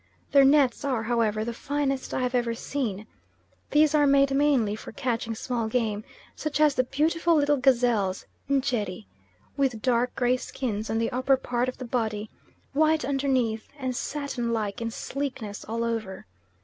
Their nets are, however, the finest I have ever seen. These are made mainly for catching small game, such as the beautiful little gazelles (Ncheri) with dark gray skins on the upper part of the body, white underneath, and satin like in sleekness all over.